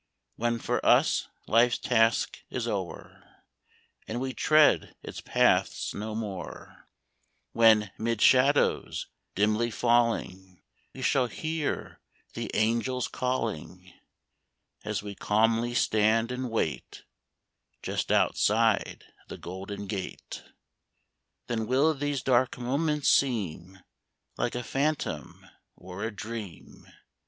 When for us life's task is o'er, And we tread its paths no more ; When, 'mid shadows dimly falling, We shall hear the angels calling, As we calmly stand and wait Just outside the golden gate, — Then will these dark moments seem Like a phantom, or a dream.